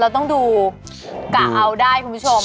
เราต้องดูกะเอาได้คุณผู้ชม